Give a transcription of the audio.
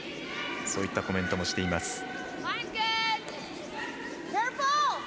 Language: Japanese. そういったコメントもしています。